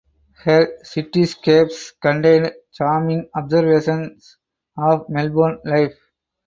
Her cityscapes contained charming observations of Melbourne life.